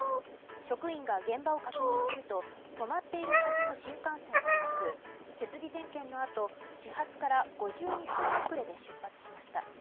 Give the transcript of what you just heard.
職員が現場を確認すると止まっているはずの新幹線はなく設備点検のあと始発から５２分遅れで出発しました。